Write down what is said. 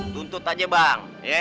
tuntut aja bang